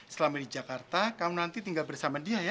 selama di jakarta kamu nanti tinggal bersama dia ya